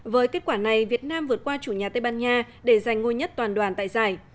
với kết quả này việt nam vượt qua chủ nhà tây ban nha để giành ngôi nhất toàn đoàn tại giải